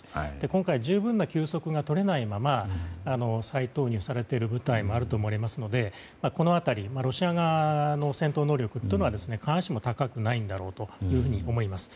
今回、十分な休息が取れないまま再投入されている部隊もあると思われますのでこの辺り、ロシア側の戦闘能力は必ずしも高くないんだろうと思います。